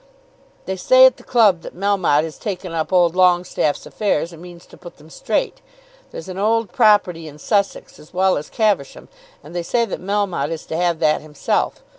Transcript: "They say at the club that Melmotte has taken up old Longestaffe's affairs, and means to put them straight. There's an old property in Sussex as well as Caversham, and they say that Melmotte is to have that himself.